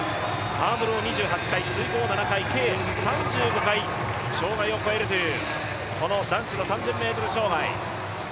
ハードルを２８回、水濠７回、計３５回障害を越えるというこの男子の３０００ｍ障害。